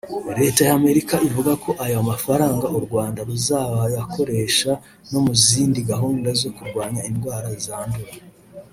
Leta y’Amerika ivuga ko ayo mafaranga u Rwanda ruzanayakoresha no mu zindi gahunda zo kurwanya indwara zandura